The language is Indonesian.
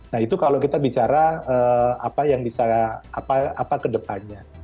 nah itu kalau kita bicara apa yang bisa apa kedepannya